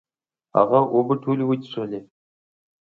هغه اوبه ټولي وڅکلي